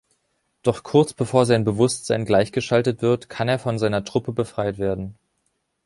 Doch kurz bevor sein Bewusstsein gleichgeschaltet wird, kann er von seiner Truppe befreit werden.